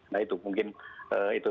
nah itu mungkin itu